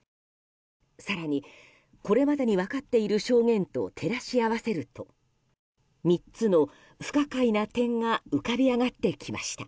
更に、これまでに分かっている証言と照らし合わせると３つの不可解な点が浮かび上がってきました。